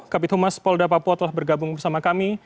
kapit humas polda papua telah bergabung bersama kami